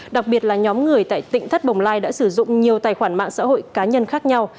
đặc biệt là nhóm người tại tỉnh thất bồng lai đã sử dụng nhiều tài khoản mạng xã hội cá nhân khác nhau